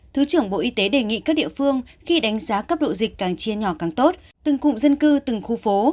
thứ trưởng bộ y tế đề nghị các địa phương khi đánh giá cấp độ dịch càng chia nhỏ càng tốt từng cụm dân cư từng khu phố